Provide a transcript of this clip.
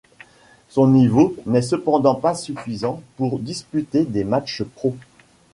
Son niveau n'est cependant pas suffisant pour disputer des matchs pro.